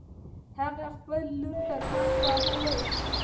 هغې خپل لور ته زنګ ووهله